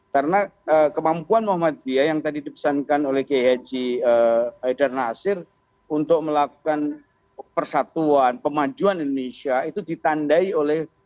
karena kemampuan muhammadiyah yang tadi dipesankan oleh g haji haidar nasir untuk melakukan persatuan pemajuan indonesia itu ditandai oleh